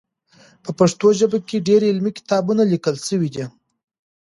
په پښتو ژبه کې ډېر علمي کتابونه لیکل سوي دي.